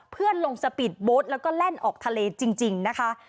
เพื่อลงสปีดโบสต์แล้วก็แล่นออกทะเลจริงนะคะ